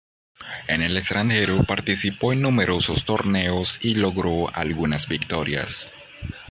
En el extranjero, participó en numerosos torneos, y logró algunas victorias.